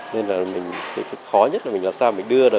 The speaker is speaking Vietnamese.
nên là mình cái khó nhất là mình làm sao mình đưa ra